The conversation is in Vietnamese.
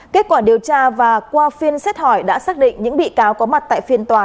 kết quả điều tra và qua phiên xét hỏi đã xác định những bị cáo có mặt tại phiên tòa